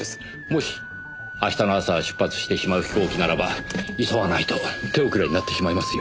もし明日の朝出発してしまう飛行機ならば急がないと手遅れになってしまいますよ。